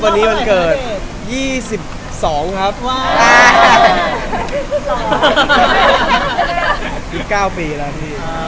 เป็นไงครับวันเกิดได้ทำงานคู่กันครับ